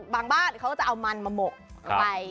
บ้านเขาก็จะเอามันมาหมกไป